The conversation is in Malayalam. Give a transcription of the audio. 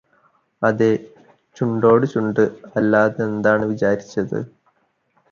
അതെ ചുണ്ടോട്ചുണ്ട് അല്ലാതെന്താണ് വിചാരിച്ചത്